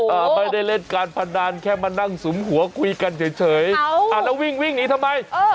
อาไม่ได้เล่นการพนันแค่มานั่งสุมหัวคุยกันเฉยอาวิ่งนี่ทำไมอ่ออ่ออ่ออ่ออ่อ